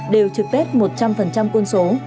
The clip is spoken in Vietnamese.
đều trực tết một trăm linh quân số